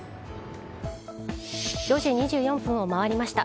４時２４分を回りました。